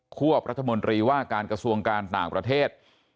วบรัฐมนตรีว่าการกระทรวงการต่างประเทศ